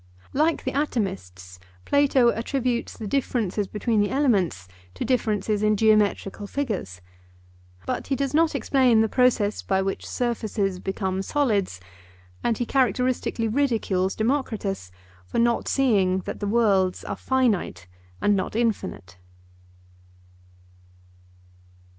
Like the atomists, Plato attributes the differences between the elements to differences in geometrical figures. But he does not explain the process by which surfaces become solids; and he characteristically ridicules Democritus for not seeing that the worlds are finite and not infinite.